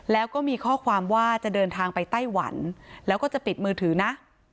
แล้วก็มีข้อความว่าจะเดินทางไปไต้หวันแล้วก็จะปิดมือถือนะ